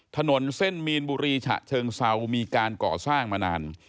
ถนนเส้นมีนบุรีฉะเชิงเซามีการก่อสร้างมานาน